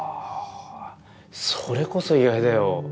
それこそ意外だよ。